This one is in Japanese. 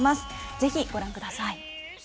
ぜひご覧ください。